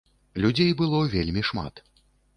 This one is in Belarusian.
Людзей было вельмі шмат.